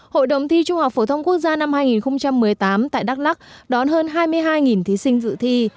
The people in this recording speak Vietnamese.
hội đồng thi trung học phổ thông quốc gia năm hai nghìn một mươi tám tại đắk lắc đón hơn hai mươi hai thí sinh dự thi